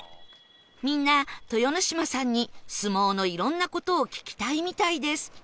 みんな豊ノ島さんに相撲のいろんな事を聞きたいみたいです